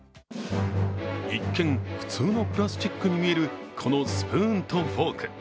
一見普通のプラスチックに見えるこのスプーンとフォーク。